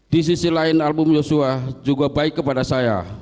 di sisi lain album yosua juga baik kepada saya